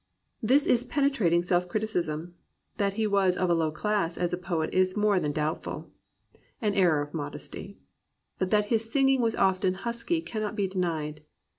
This is penetrating self criticism. That he was "of a low class" as poet is more than doubtful, — ^an error of modesty. But that his singing was often "husky" cannot be denied.